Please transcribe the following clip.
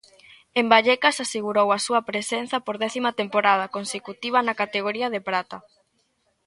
En Vallecas asegurou a súa presenza por décima temporada consecutiva na categoría de prata.